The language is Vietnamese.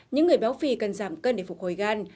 những người béo phì cần giảm cân để phục hồi gan